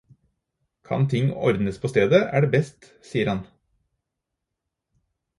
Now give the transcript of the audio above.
Kan ting ordnes på stedet, er det best, sier han.